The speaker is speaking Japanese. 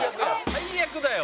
最悪だよ